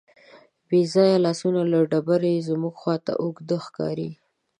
بېځانه لاسونه له ډبرې زموږ خواته اوږده ښکاري.